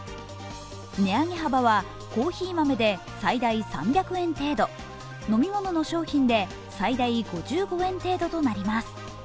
値上げ幅はコーヒー豆で最大３００円程度飲み物の商品で最大５５円程度となります。